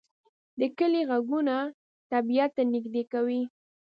د کلی غږونه طبیعت ته نږدې کوي